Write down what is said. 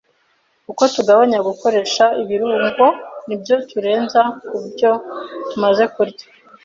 Uko tugabanya gukoresha ibirungo n’ibyo turenza ku byo tumaze kurya,